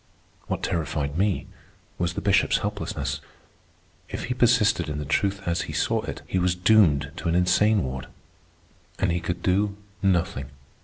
What terrified me was the Bishop's helplessness. If he persisted in the truth as he saw it, he was doomed to an insane ward. And he could do nothing.